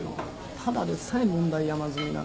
ただでさえ問題山積みなのに。